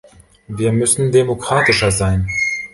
Wir müssen demokratischer sein.